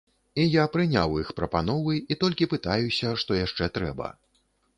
І я прыняў іх прапановы і толькі пытаюся, што яшчэ трэба.